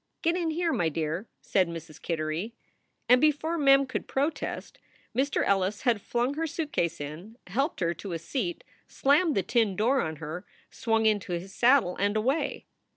"Get in here, my dear," said Mrs. Kittery. And before Mem could protest Mr. Ellis had flung her suitcase in, helped her to a seat, slammed the tin door on her, swung into his saddle and away.